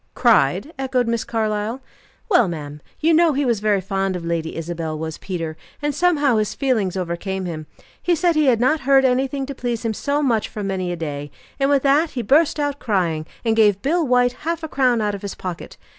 "Cried?" echoed Miss Carlyle. "Well, ma'am, you know he was very fond of Lady Isabel, was Peter, and somehow his feelings overcame him. He said he had not heard anything to please him so much for many a day; and with that he burst out crying, and gave Bill White half a crown out of his pocket.